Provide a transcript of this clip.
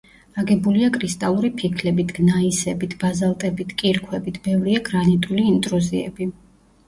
აგებულია კრისტალური ფიქლებით, გნაისებით, ბაზალტებით, კირქვებით; ბევრია გრანიტული ინტრუზიები.